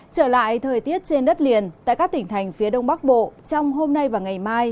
trở lại thời tiết trên đất liền tại các tỉnh thành phía đông bắc bộ trong hôm nay và ngày mai